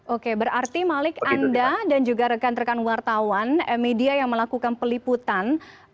oke berarti malik anda dan juga rekan rekan wartawan media yang melakukan peliputan